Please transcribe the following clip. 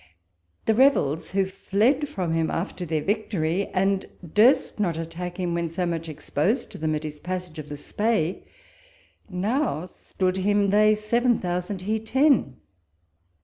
The rebels, who fled from him after their victory, and durst not attack him, when so much exposed to them at his passage of the Spey, now stood him, they seven thousand, he ten.